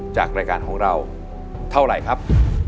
จากรายการของเราเท่าไหร่ครับ